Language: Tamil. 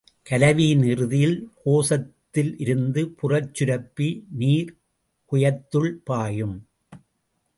கலவியின் இறுதியில் கோசத்திலிருந்து புறச் சுரப்பு நீர் குய்யத்துள் பாயும்.